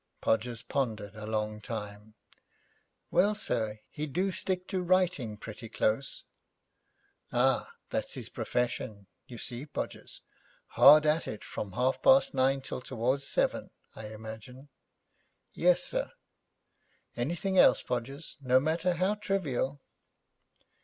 Podgers pondered a long time. 'Well, sir, he do stick to writing pretty close.' 'Ah, that's his profession, you see, Podgers. Hard at it from half past nine till towards seven, I imagine?' 'Yes, sir.' 'Anything else, Podgers? No matter how trivial.'